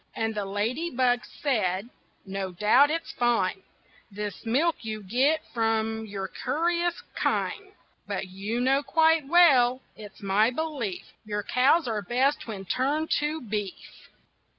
And the ladybug said: "No doubt it's fine, This milk you get from your curious kine, But you know quite well it's my belief Your cows are best when turned to beef."